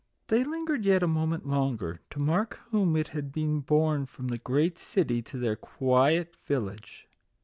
They lingered yet a moment longer, to mark whom it had borne from the great city to their quiet village.